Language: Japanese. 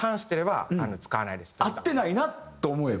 合ってないなと思えば？